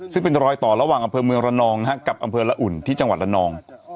ซึ่งเป็นรอยต่อระหว่างอำเภอเมืองระนองกับอำเภอละอุ่นที่จังหวัดระนอง